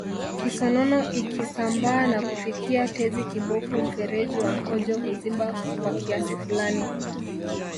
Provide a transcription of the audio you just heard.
Kisonono ikisambaa na kufikia tezi kibofu mfereji wa mkojo huziba kwa kiasi fulani